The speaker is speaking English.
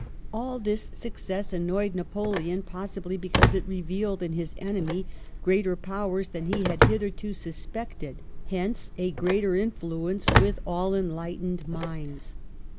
All this success annoyed Napoleon, possibly because it revealed in his enemy greater powers than he had hitherto suspected, hence a greater influence with all enlightened minds.